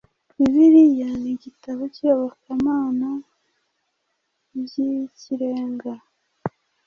Bibiliya ni igitabo cy’iyobokamana by’ikirenga: